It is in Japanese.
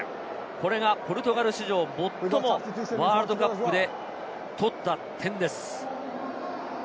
これがポルトガル史上最もワールドカップで取った点です。